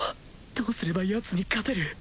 どうすればヤツに勝てる？